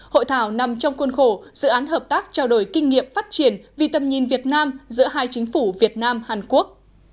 hội thảo nằm trong khuôn khổ dự án hợp tác trao đổi kinh nghiệm phát triển vì tầm nhìn việt nam giữa hai chính phủ việt nam hàn quốc